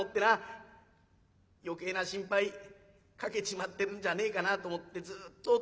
余計な心配かけちまってるんじゃねえかなと思ってずっとお父